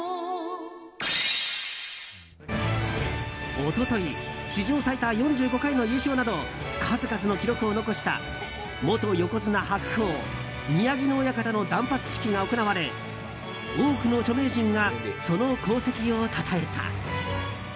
一昨日史上最多４５回の優勝など数々の記録を残した元横綱・白鵬、宮城野親方の断髪式が行われ、多くの著名人がその功績をたたえた。